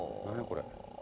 これ。